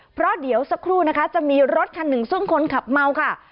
เพราะเดี๋ยวสักครู่นะคะจะมีรถคันหนึ่งซึ่งคนขับเมาค่ะ